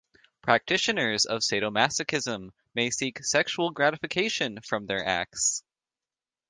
Practitioners of sadomasochism may seek sexual gratification from their acts.